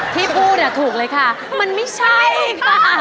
ที่พูดถูกเลยค่ะมันไม่ใช่ค่ะ